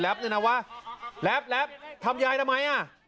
แล้วบอกมีคนมากระซิบข้างหูว่าให้ฆ่ายาย